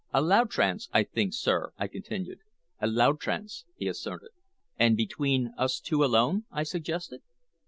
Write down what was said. "A l'outrance, I think, sir?" I continued. "A l'outrance," he assented. "And between us two alone," I suggested.